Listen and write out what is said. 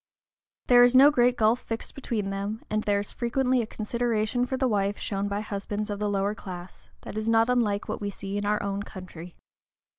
There is no great gulf fixed between them, and there is frequently a consideration for the wife shown by husbands of the lower class, that is not unlike what we see in our own country.